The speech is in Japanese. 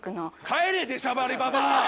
帰れでしゃばりババア！